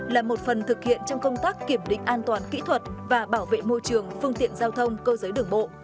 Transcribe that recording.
là một phần thực hiện trong công tác kiểm định an toàn kỹ thuật và bảo vệ môi trường phương tiện giao thông cơ giới đường bộ